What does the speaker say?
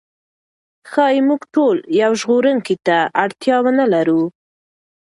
ښایي موږ تل یو ژغورونکي ته اړتیا ونه لرو.